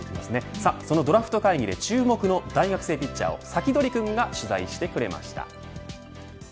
そのドラフト会議で注目の大学生ピッチャーをサキドリくんが取材してくれました。